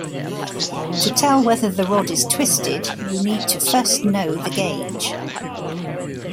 To tell whether the rod is twisted, you need to first know the gauge.